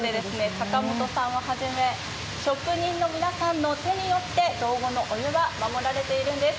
阪本さんを初め、職人の方の手によって道後のお湯が守られているんです。